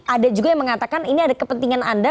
ada juga yang mengatakan ini ada kepentingan anda